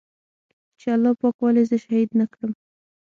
چې الله پاک ولې زه شهيد نه کړم.